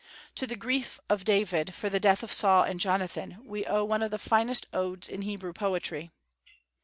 To the grief of David for the death of Saul and Jonathan we owe one of the finest odes in Hebrew poetry.